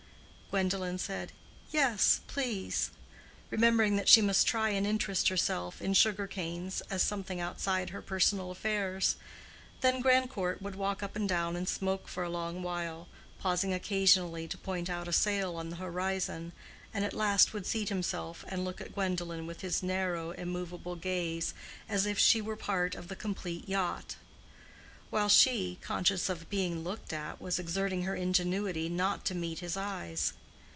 Gwendolen said, "Yes, please," remembering that she must try and interest herself in sugar canes as something outside her personal affairs. Then Grandcourt would walk up and down and smoke for a long while, pausing occasionally to point out a sail on the horizon, and at last would seat himself and look at Gwendolen with his narrow immovable gaze, as if she were part of the complete yacht; while she, conscious of being looked at was exerting her ingenuity not to meet his eyes.